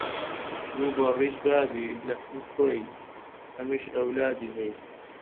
گوو بەڕیش بابی لە کن خۆی ئەمیش ئەولادی هەیە